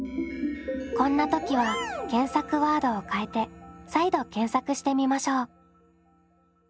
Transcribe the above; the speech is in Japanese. こんな時は検索ワードを変えて再度検索してみましょう。